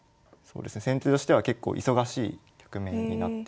先手としては結構忙しい局面になっています。